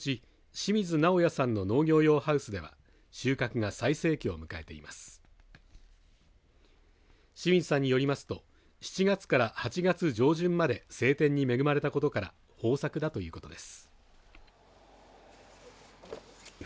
清水さんによりますと７月から８月上旬まで晴天に恵まれたことから豊作だということです。